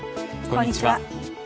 こんにちは。